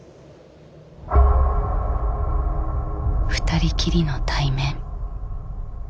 ２人きりの対面。